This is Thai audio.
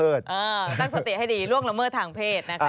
ตั้งสติให้ดีล่วงละเมิดทางเพศนะคะ